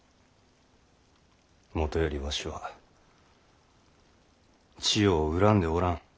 もとよりわしは千代を恨んでおらん。